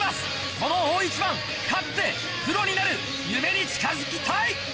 この大一番勝ってプロになる夢に近づきたい！